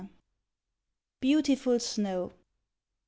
BEAUTIFUL SNOW.